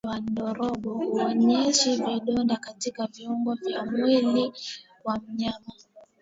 Ugonjwa wa ndorobo hauoneshi vidonda katika viungo vya mwili wa mnyama